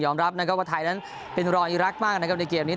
รับนะครับว่าไทยนั้นเป็นรองอีรักษ์มากนะครับในเกมนี้